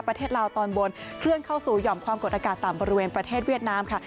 ประเทศลาวตอนบนเคลื่อนเข้าสู่หย่อมความกดอากาศต่ำบริเวณประเทศเวียดนามค่ะ